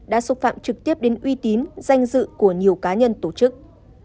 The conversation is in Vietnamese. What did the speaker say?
đã xúc phạm trực tiếp đến uy tín danh dự của nhiều cá nhân tổ chức